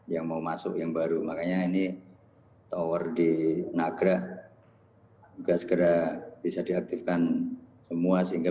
yang mau masuk yang baru makanya ini tower di nagra juga segera bisa diaktifkan semua sehingga